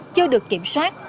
chưa được kiểm soát